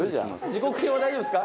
時刻表は大丈夫ですか？